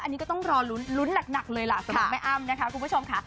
อันนี้ก็ต้องรอลุ้นหนักเลยล่ะสำหรับแม่อ้ำนะคะคุณผู้ชมค่ะ